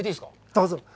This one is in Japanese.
どうぞ。